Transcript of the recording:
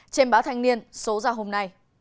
trên báo thanh niên số ra hôm nay